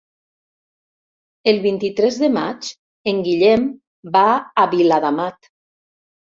El vint-i-tres de maig en Guillem va a Viladamat.